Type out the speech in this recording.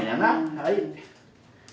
はい。